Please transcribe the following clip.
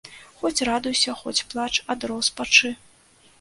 Хоць радуйся, хоць плач ад роспачы.